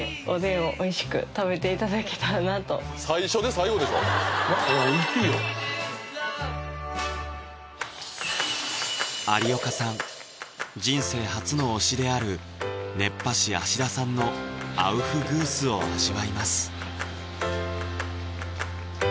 そして味わっておいしいよ有岡さん人生初の推しである熱波師・芦田さんのアウフグースを味わいます